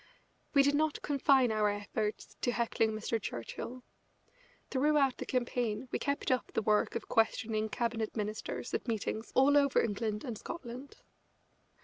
We did not confine our efforts to heckling Mr. Churchill. Throughout the campaign we kept up the work of questioning Cabinet Ministers at meetings all over England and Scotland.